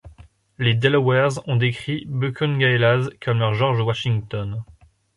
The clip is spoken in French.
Les Delawares ont décrit Buckongahelas comme leur George Washington.